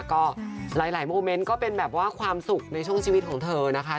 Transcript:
ก็หลายโมเมนต์ก็เป็นแบบว่าความสุขในช่วงชีวิตของเธอนะคะ